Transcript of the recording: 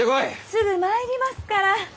すぐ参りますから。